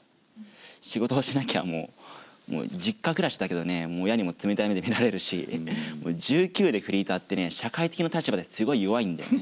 もう実家暮らしだけどねもう親にも冷たい目で見られるし１９でフリーターってね社会的な立場ですごい弱いんだよね。